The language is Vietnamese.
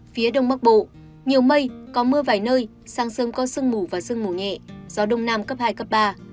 phía đông bắc bộ nhiều mây có mưa vài nơi sáng sớm có sương mù và sương mù nhẹ gió đông nam cấp hai cấp ba